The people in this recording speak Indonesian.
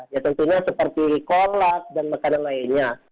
ya tentunya seperti kolak dan makanan lainnya